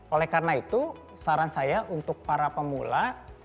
oleh karena itu saran saya untuk para pemula